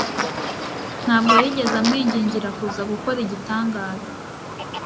Ntabwo yigeze amwingingira kuza gukora igitangaza.